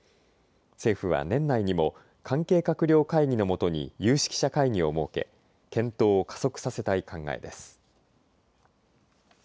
政府は年内にも関係閣僚会議の下に有識者会議を設け検討を加速させたい考えです。